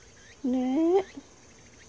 ねえ。